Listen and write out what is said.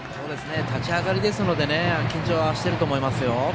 立ち上がりですので緊張はしていると思いますよ。